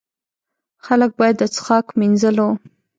خلک باید د څښاک، مینځلو.